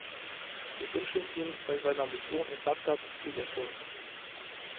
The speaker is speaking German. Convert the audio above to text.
Wir wünschen ihm bei seiner Mission in Bagdad viel Erfolg.